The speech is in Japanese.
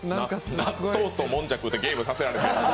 納豆ともんじゃ食うて、ゲームさせられて。